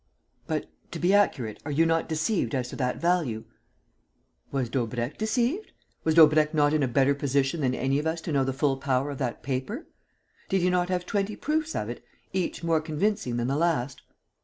"But, to be accurate, are you not deceived as to that value?" "Was Daubrecq deceived? Was Daubrecq not in a better position than any of us to know the full power of that paper? Did he not have twenty proofs of it, each more convincing than the last?